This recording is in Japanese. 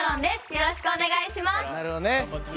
よろしくお願いします。